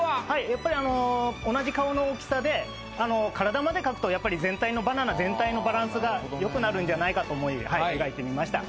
やっぱり同じ顔の大きさで体まで描くとやっぱりバナナ全体のバランスがよくなるんじゃないかと思い描いてみました。